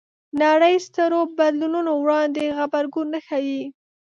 نړۍ سترو بدلونونو وړاندې غبرګون نه ښيي